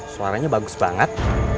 suaranya bagus banget